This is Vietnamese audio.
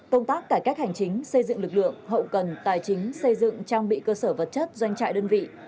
công tác cải cách hành chính xây dựng lực lượng hậu cần tài chính xây dựng trang bị cơ sở vật chất doanh trại đơn vị